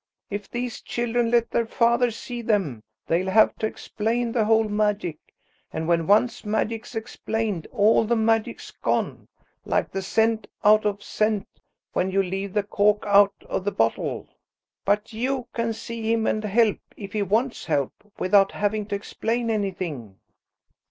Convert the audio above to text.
If these children let their father see them, they'll have to explain the whole magic, and when once magic's explained all the magic's gone, like the scent out of scent when you leave the cork out of the bottle. But you can see him and help–if he wants help–without having to explain anything."